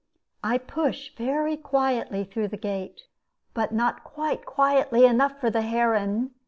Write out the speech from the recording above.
I push very quietly through the gate, but not quite quietly enough for the heron.